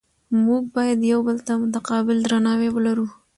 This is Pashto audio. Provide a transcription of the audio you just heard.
موږ باید یو بل ته متقابل درناوی ولرو